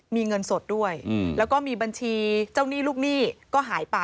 มีเงินสดด้วยแล้วก็มีบัญชีเจ้าหนี้ลูกหนี้ก็หายไป